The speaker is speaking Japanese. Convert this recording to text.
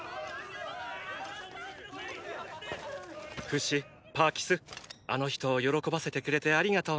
フシパーキスあの人を喜ばせてくれてありがとね！